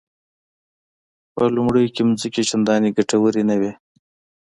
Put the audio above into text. په لومړیو کې ځمکې چندانې ګټورې نه وې.